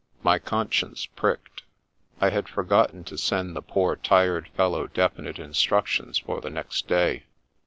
My conscience pricked. I had forgotten to send the poor, tired fellow definite instructions for the next day.